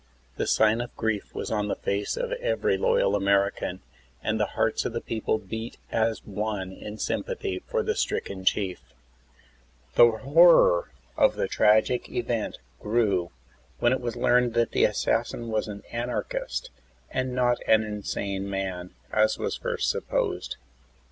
The sign of grief was on the face of every loyal American, and the hearts of the people beat as one in sympathy for the stricken chief. The horror of the tragic event grew when It was learned that the assassin was an anarchist, and not an insane man as was first supposed.